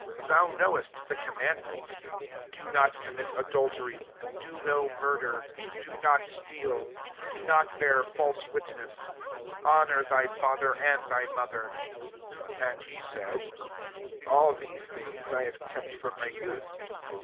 20 Thou knowest the commandments, < Do not commit adultery : Do no murder: Do not steal: Do not bear false witness : Honour thy father and [thy'] mother.' " 21 And he said, <« All these things, I have kept from my youth."